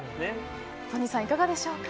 都仁さん、いかがでしょうか。